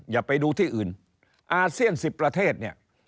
อย่าไปดูที่อื่นอาเซียน๑๐ประเทศเนี่ย